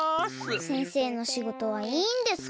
先生のしごとはいいんですか？